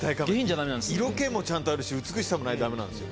色気もちゃんとあるし美しさもないと駄目なんですよ。